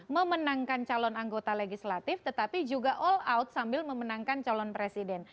memenangkan calon anggota legislatif tetapi juga all out sambil memenangkan calon presiden